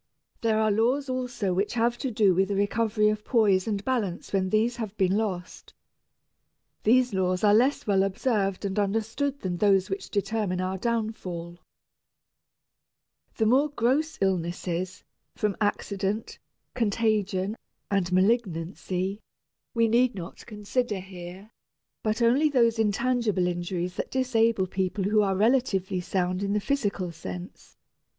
There are laws also which have to do with the recovery of poise and balance when these have been lost. These laws are less well observed and understood than those which determine our downfall. The more gross illnesses, from accident, contagion, and malignancy, we need not consider here, but only those intangible injuries that disable people who are relatively sound in the physical sense.